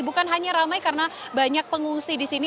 bukan hanya ramai karena banyak pengungsi di sini